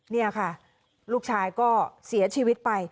นี่ค่ะลูกชายก็เสียชีวิตไป